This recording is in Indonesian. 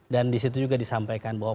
dan disitu juga disampaikan bahwa